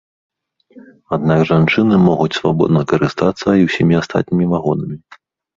Аднак жанчыны могуць свабодна карыстацца і ўсімі астатнімі вагонамі.